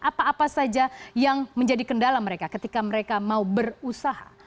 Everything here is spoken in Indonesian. apa apa saja yang menjadi kendala mereka ketika mereka mau berusaha